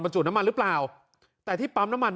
จุดน้ำมันหรือเปล่าแต่ที่ปั๊มน้ำมัน